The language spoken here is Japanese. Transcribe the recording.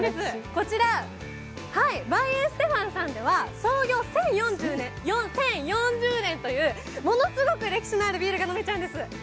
こちら、ヴァイエンステファンさんでは創業１０４０年というものすごく歴史のあるビールか飲めちゃうんです。